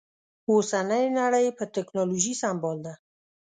اوسنۍ نړۍ په ټکنالوژي سمبال ده